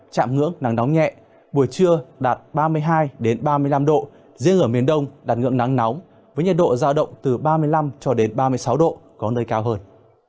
chạm ngưỡng nắng nóng nhẹ buổi trưa đạt ba mươi hai ba mươi năm độ riêng ở miền đông đạt ngưỡng nắng nóng với nhiệt độ giao động từ ba mươi năm cho đến ba mươi sáu độ có nơi cao hơn